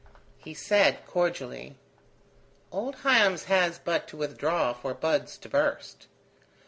He said, cordially: "Old Hiems has but to withdraw for buds to burst.